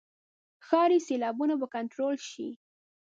ښاري سیلابونه به کنټرول شي.